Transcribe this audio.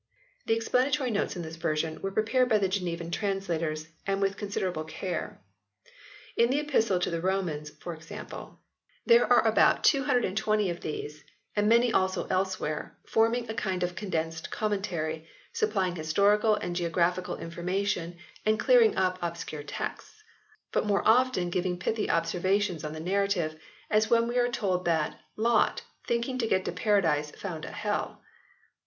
The explanatory notes in this version were prepared by the Genevan translators, and with considerable care. In the Epistle to the Romans, for example, 80 HISTORY OF THE ENGLISH BIBLE [OH. there are about 220 of these, and many also else where, forming a kind of condensed commentary, supplying historical and geographical information and clearing up obscure texts, but more often giving pithy observations on the narrative, as when we are told that "Lot, thinking to get paradise found a hell."